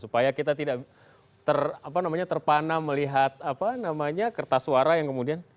supaya kita tidak terpanam melihat kertas suara yang kemudian